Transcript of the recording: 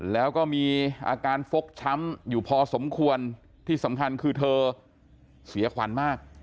แล้วก็มีอาการฟกช้ำอยู่พอสมควรที่สำคัญคือเธอเสียขวัญมาก